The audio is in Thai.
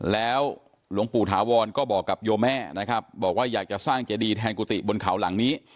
แล้วหลวงปู่ถาวรก็บอกกับโยแม่นะครับบอกว่าอยากจะสร้างเจดีแทนกุฏิบนเขาหลังนี้